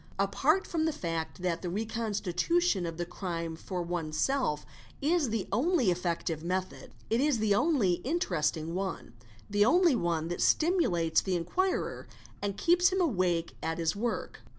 Apart from the fact that the reconstitution of the crime for oneself is the only effective method, it is the only interesting one, the only one that stimulates the inquirer and keeps him awake at 1is work.